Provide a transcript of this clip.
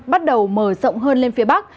bắt đầu mở rộng hơn lên phía bắc